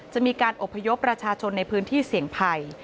จะมีการอบพยพประชาชนในพื้นที่เสี่ยงภัย